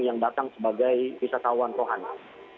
dan datang sebagai wisatawan rohani